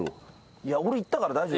いや俺行ったから大丈夫。